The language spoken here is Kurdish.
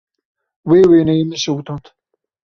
Wê wêneyê min şewitand.